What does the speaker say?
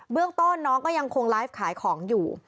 เรื่องต้นน้องก็ยังคงไลฟ์ขายของอยู่